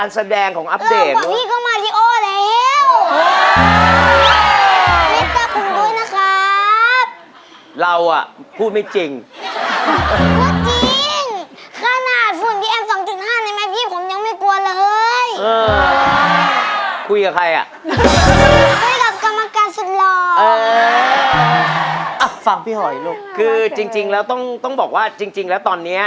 สิบปี